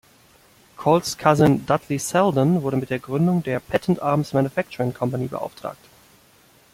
Colts Cousin Dudley Selden wurde mit der Gründung der "Patent Arms Manufacturing Company" beauftragt.